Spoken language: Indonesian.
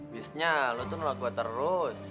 biasanya lo tuh nolak gue terus